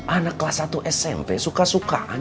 anak kelas satu smp suka suka